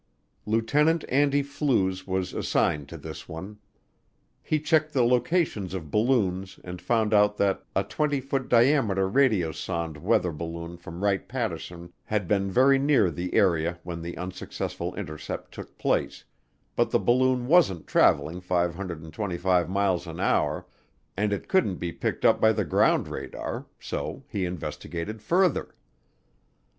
Lieutenant Andy Flues was assigned to this one. He checked the locations of balloons and found out that a 20 foot diameter radiosonde weather balloon from Wright Patterson had been very near the area when the unsuccessful intercept took place, but the balloon wasn't traveling 525 miles an hour and it couldn't be picked up by the ground radar, so he investigated further.